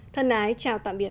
thân ái chào tạm biệt